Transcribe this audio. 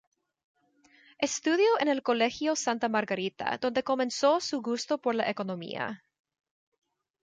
Estudio en el Colegio Santa Margarita, donde comenzó su gusto por la economía.